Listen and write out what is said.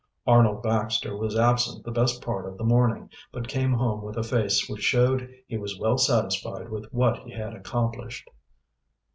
Arnold Baxter was absent the best part of the morning, but came home with a face which showed he was well satisfied with what he had accomplished.